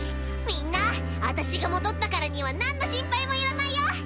みんな私が戻ったからにはなんの心配もいらないよ！